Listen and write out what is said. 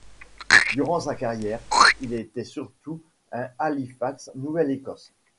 Durant sa carrière, il était surtout à Halifax, Nouvelle-Écosse.